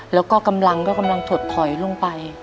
แล้วก็กำลังก็กำลังถดถอยลงไป